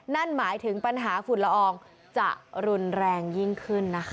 นั่นหมายถึงปัญหาฝุ่นละอองจะรุนแรงยิ่งขึ้นนะคะ